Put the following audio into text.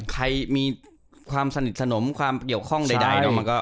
ใครมีความสนิทสนมความเกี่ยวข้องใด